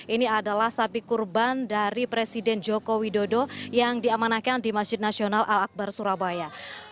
ini adalah sapi kurban dari presiden joko widodo yang diamanahkan di masjid nasional al akbar surabaya